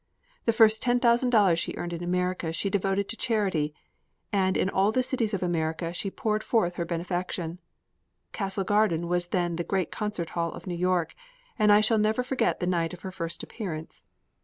The first $10,000 she earned in America she devoted to charity, and in all the cities of America she poured forth her benefactions. Castle Garden was then the great concert hall of New York, and I shall never forget the night of her first appearance.